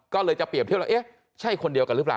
ก็เลยจะเปรียบเทียบแล้วเอ๊ะใช่คนเดียวกันหรือเปล่า